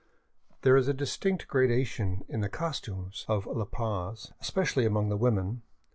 There is a distinct gradation in the costumes of La Paz, especially among the women.